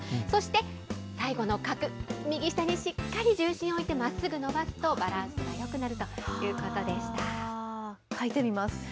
そして最後の画、右下にしっかり重心を置いて、まっすぐ伸ばすとバランスがよくなるということで書いてみます。